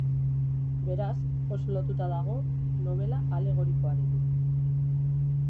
Beraz, oso lotuta dago nobela alegorikoarekin.